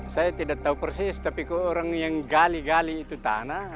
saya tidak tahu persis tapi orang yang gali gali itu tanah